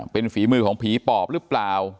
เป็นฝีมือของผีปอบหรือเปล่า